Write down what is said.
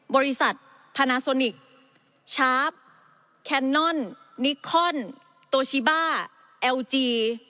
บริษัทพานาโซนิกชาร์ฟแคนนอนนิคอนโตชิบ้าแอลจี